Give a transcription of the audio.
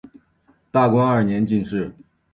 大观二年进士。